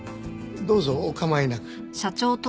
どうぞお構いなく。